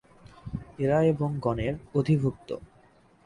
এরা এবং গণের অধিভু্ক্ত।